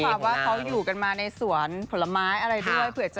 เนื้อภาพว่าเขาอยู่กันมาในสวนผลไม้อะไรด้วย